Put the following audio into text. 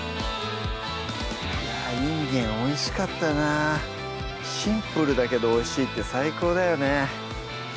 いんげんおいしかったなシンプルだけどおいしいって最高だよね